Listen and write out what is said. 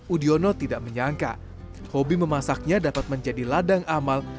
udiono tidak menyangka hobi memasaknya dapat menjadi ladang amal